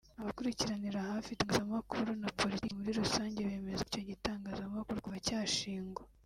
Abakurikirana hafi itangazamakuru na politiki muri rusange bemeza ko icyo gitangazamakuru kuva cyashingwa